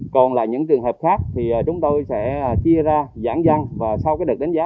còn là những trường hợp khác thì chúng tôi sẽ chia ra giãn dân và sau cái đợt đánh giá